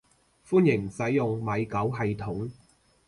歡迎使用米狗系統